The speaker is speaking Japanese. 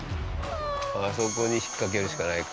あそこにひっかけるしかないか。